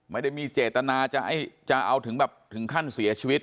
ไม่ได้มีเจตนาจะเอาถึงแบบถึงขั้นเสียชีวิต